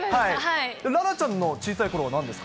楽々ちゃんの小さい頃はなんですか？